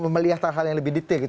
melihat hal hal yang lebih detail